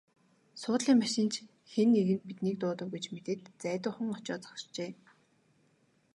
Суудлын машин ч хэн нэг нь биднийг дуудав гэж мэдээд зайдуухан очоод зогсжээ.